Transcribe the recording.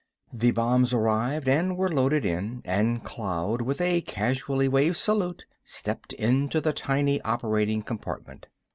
The bombs arrived and were loaded in; and Cloud, with a casually waved salute, stepped into the tiny operating compartment.